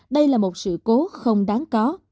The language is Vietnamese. đây là một sự cố không đáng có